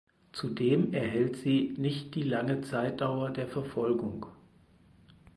Zudem erhellt sie nicht die lange Zeitdauer der Verfolgung.